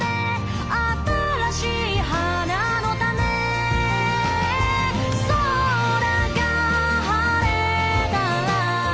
「新しい花の種」「空が晴れたら」